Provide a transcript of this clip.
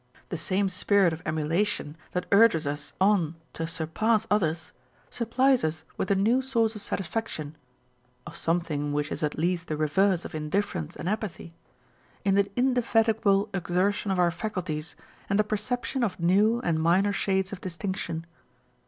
The same spirit of emulation that urges us on to surpass others, supplies us with a new source of satisfaction (of something which is at least the reverse of indifference and apathy) in the indefatigable exertion of our faculties and the perception of new and minor shades of distinction.